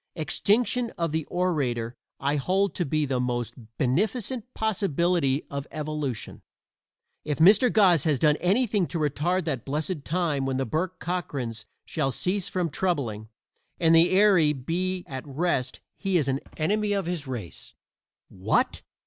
Extinction of the orator I hold to be the most beneficent possibility of evolution. If Mr. Goss has done anything to retard that blessed time when the Bourke Cockrans shall cease from troubling and the weary be at rest he is an enemy of his race. "What!"